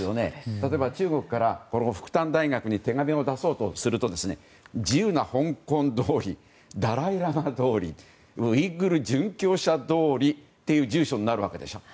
例えば中国から復旦大学に手紙を出そうとすると自由な香港通りダライ・ラマ通りウイグル殉教者通りという住所になるわけでしょ。